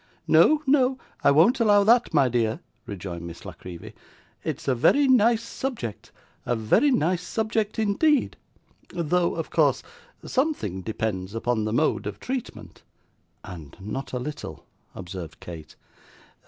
'No, no, I won't allow that, my dear,' rejoined Miss La Creevy. 'It's a very nice subject a very nice subject, indeed though, of course, something depends upon the mode of treatment.' 'And not a little,' observed Kate.